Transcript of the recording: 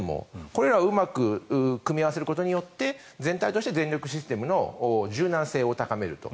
これらをうまく組み合わせることによって全体として電力システムの柔軟性を高めると。